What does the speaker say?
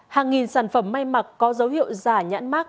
hàng nghìn sản phẩm may mặc có dấu hiệu giả nhãn mát